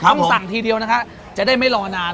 ต้องสั่งทีเดียวนะคะจะได้ไม่รอนาน